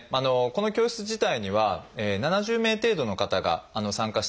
この教室自体には７０名程度の方が参加していただきました。